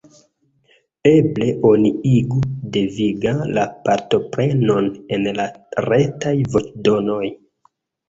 Eble oni igu deviga la partoprenon en la Retaj voĉdonoj.